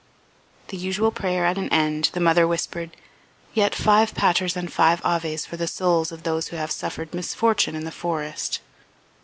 The usual prayer at an end, the mother whispered: "Yet five Paters and five Aves for the souls of those who have suffered misfortune in the forest."